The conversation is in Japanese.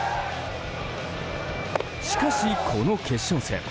しかし、この決勝戦。